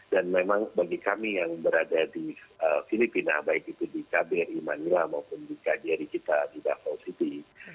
dan memang bagi kami yang berada di filipina baik itu di kb di manila maupun di kjri kita di davao city